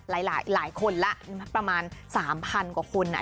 หลายหลายหลายคนล่ะประมาณสามพันกว่าคนอ่ะ